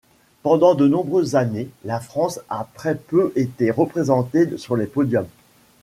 Pendant de nombreuses années, la France a très peu été représentée sur les podiums.